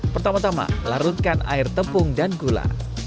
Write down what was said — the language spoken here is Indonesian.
pertama tama larutkan air tepung dan gula